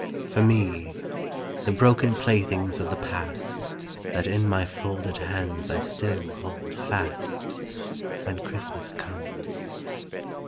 For me, the broken playthings of the past That in my folded hands I still hold fast, When Christmas comes.